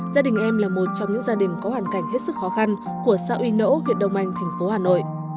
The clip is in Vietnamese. gia đình em là một trong những gia đình có hoàn cảnh hết sức khó khăn của xã uy nỗ huyện đông anh thành phố hà nội